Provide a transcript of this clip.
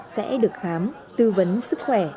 sẽ được khám tư vấn sức khỏe